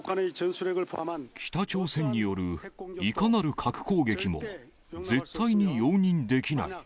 北朝鮮によるいかなる核攻撃も絶対に容認できない。